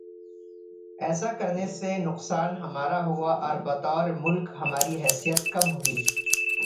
ایسا کرنے سے نقصان ہمارا ہوا اور بطور ملک ہماری حیثیت کم ہوئی۔